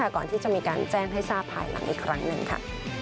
ก่อนที่จะมีการแจ้งให้ทราบภายหลังอีกครั้งหนึ่งค่ะ